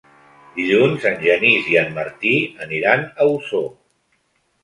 Dilluns en Genís i en Martí aniran a Osor.